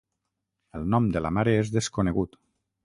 El nom de la mare és desconegut.